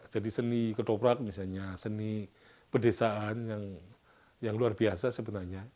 jadi seni ketoprak misalnya seni pedesaan yang luar biasa sebenarnya